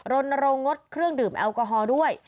รณรงคดเครื่องดื่มแอลกอฮอล์ด้วย